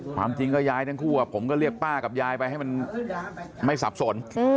ความจริงก็ยายทั้งคู่ผมก็เรียกป้ากับยายไปให้มันไม่สับสน